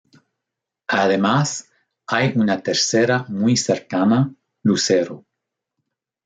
Además, hay una tercera muy cercana, Lucero.